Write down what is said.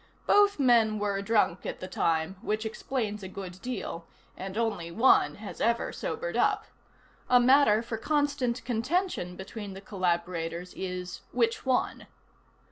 Both men were drunk at the time, which explains a good deal, and only one has ever sobered up. A matter for constant contention between the collaborators is which one.